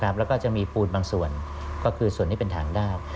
แล้วก็จะมีปูนบางส่วนก็คือส่วนที่เป็นทางด้าว